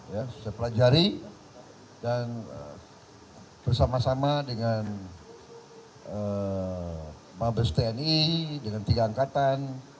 ya saya pelajari dan bersama sama dengan mabes tni dengan tiga angkatan